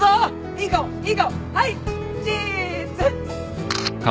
いい顔いい顔はいチーズ。